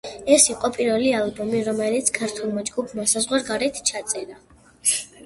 ეს იყო პირველი ალბომი, რომელიც ქართულმა ჯგუფმა საზღვარგარეთ ჩაწერა.